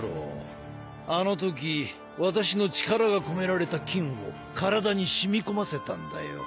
あのとき私の力が込められた金を体に染み込ませたんだよ。